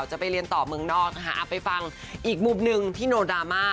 จะไปเรียนต่อเมืองนอกนะคะไปฟังอีกมุมหนึ่งที่โนดราม่า